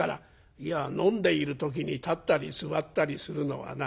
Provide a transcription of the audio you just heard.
「いや飲んでいる時に立ったり座ったりするのはな